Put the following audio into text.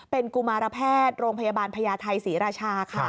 เป็นกุมารแพทย์โรงพยาบาลพญาไทยศรีราชาค่ะ